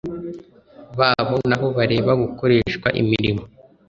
babo n abo barera gukoreshwa imirimo